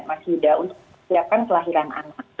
sembilan bulan masih sudah untuk memperlihatkan kelahiran anak